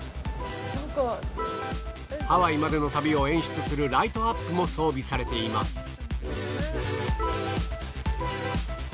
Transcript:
ハワイまでの旅を演出するライトアップも装備されています。